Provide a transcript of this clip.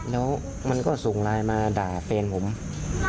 แล้วมันก็ส่งไลน์มาด่าเพลงนั้นผม